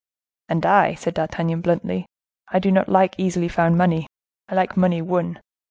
"And I," said D'Artagnan, bluntly; "I do not like easily found money; I like money won!